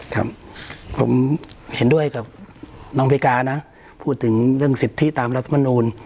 ครับผมเห็นด้วยกับน้องริกานะพูดถึงเรื่องสิทธิตามรัฐมนูล